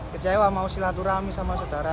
kecewa mau silaturahmi sama saudara